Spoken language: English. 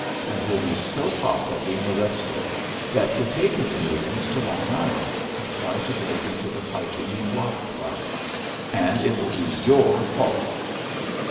And he'll be so hot at being arrested that he'll take his millions to Long Island and try to break into the Piping Rock Club. And it will be your fault!"